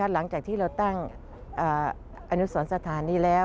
หลังจากที่เราตั้งอนุสรสถานนี้แล้ว